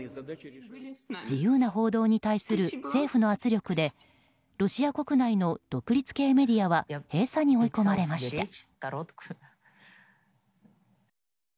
自由な報道に対する政府の圧力でロシア国内の独立系メディアは閉鎖に追い込まれました。